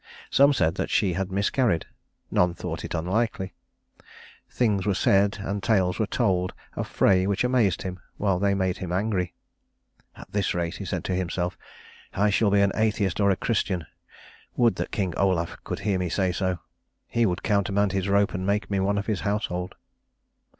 Some said that she had miscarried; none thought it unlikely. Things were said and tales were told of Frey which amazed him while they made him angry. "At this rate," he said to himself, "I shall be an atheist or a Christian. Would that King Olaf could hear me say so. He would countermand his rope and make me one of his household."